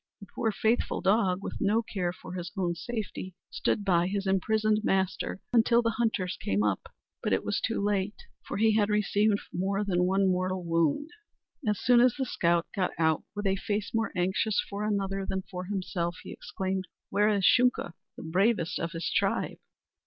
The poor, faithful dog, with no care for his own safety, stood by his imprisoned master until the hunters came up. But it was too late, for he had received more than one mortal wound. As soon as the scout got out, with a face more anxious for another than for himself, he exclaimed: "Where is Shunka, the bravest of his tribe?"